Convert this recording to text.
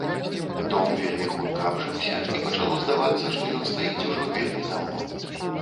Дом вельмі хутка абжыўся, і пачало здавацца, што ён стаіць ужо вельмі даўно.